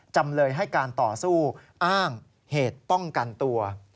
จำเลยให้การต่อสู้อ้างเหตุป้องกันตัว